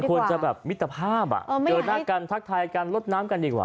จะแบบมิตรภาพเจอหน้ากันทักทายกันลดน้ำกันดีกว่า